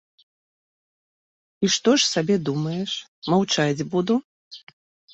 І што ж сабе думаеш, маўчаць буду?